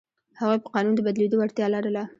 هغوی په قانون د بدلېدو وړتیا لرله.